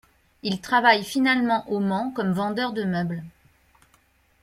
Il travaille finalement au Mans comme vendeur de meubles.